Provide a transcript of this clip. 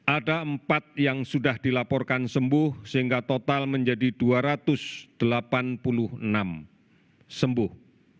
ada empat yang sudah dilaporkan sembuh sehingga total menjadi dua ratus delapan puluh enam sembuh